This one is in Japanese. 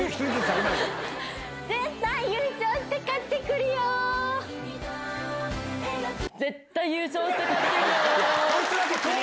絶対優勝して帰ってくるよー！